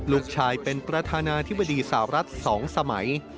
ลูกชายเป็นประธานาธิบดีสาวรัฐ๒สมัย